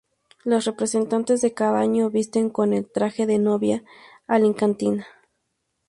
Las representantes de cada año visten con el traje de novia alicantina.